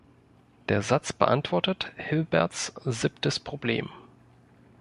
Der Satz beantwortet Hilberts siebtes Problem.